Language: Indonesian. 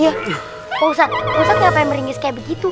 iya pak ustadz pak ustadz kenapa meringis kayak begitu